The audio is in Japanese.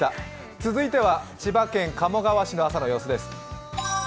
続いては千葉県鴨川市の朝の様子です。